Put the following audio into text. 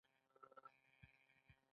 کله چې هوا ننوځي نو سږي پړسیږي او غټیږي